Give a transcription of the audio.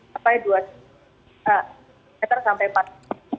sampai dua meter sampai empat meter